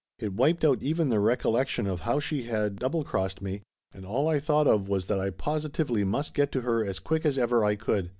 It wiped out even the recollection of how she had 298 Laughter Limited double crossed me, and all I thought of was that I posi tively must get to her as quick as ever I could.